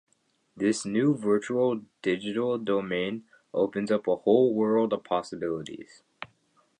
This new virtual digital domain opens up a whole world of possibilities.